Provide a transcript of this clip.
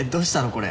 これ。